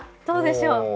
どうでしょう？